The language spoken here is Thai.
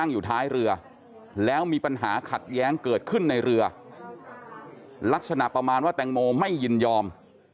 แย้งเกิดขึ้นในเรือลักษณะประมาณว่าตังโมไม่ยินยอม